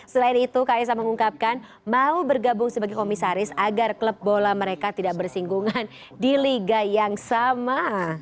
selain itu kaisar mengungkapkan mau bergabung sebagai komisaris agar klub bola mereka tidak bersinggungan di liga yang sama